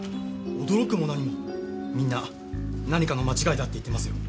驚くも何もみんな何かの間違いだって言ってますよ。